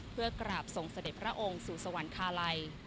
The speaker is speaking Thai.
เพื่อกราบส่งเสด็จพระองค์สู่สวรรคาลัย